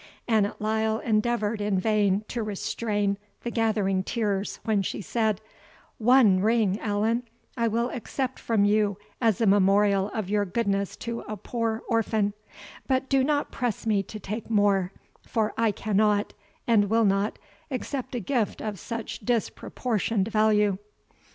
Annot Lyle endeavoured in vain to restrain the gathering tears, when she said, "ONE ring, Allan, I will accept from you as a memorial of your goodness to a poor orphan, but do not press me to take more; for I cannot, and will not, accept a gift of such disproportioned value."